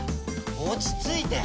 落ち着いて。